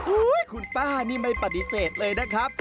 คุณป้านี่ไม่ปฏิเสธเลยนะครับ